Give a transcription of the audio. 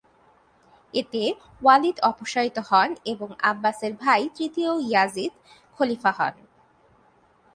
এতে ওয়ালিদ অপসারিত হন এবং আব্বাসের ভাই তৃতীয় ইয়াজিদ খলিফা হন।